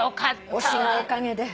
推しのおかげで。